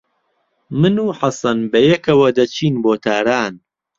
من و حەسەن بەیەکەوە دەچین بۆ تاران.